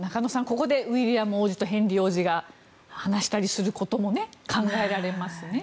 ここでウィリアム王子とヘンリー王子が話したりすることも考えられますね。